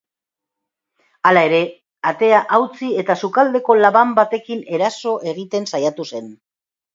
Hala ere, atea hautsi eta sukaldeko laban batekin eraso egiten saiatu zen.